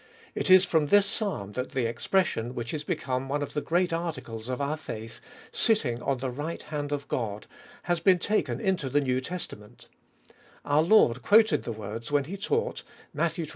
It is from this Psalm that the expression, which is become one of the great articles of our faith, Sitting on the right hand of God, has been taken into the New Testa ment Our Lord quoted the words when he taught (Matt xxii.